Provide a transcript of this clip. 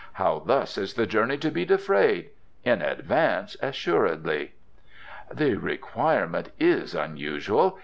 "How thus is the journey to be defrayed? In advance, assuredly." "The requirement is unusual.